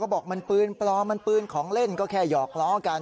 บอกมันปืนปลอมมันปืนของเล่นก็แค่หยอกล้อกัน